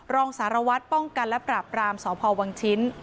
รองสารวัตรป้องกันและปราบรามสพวังชิ้น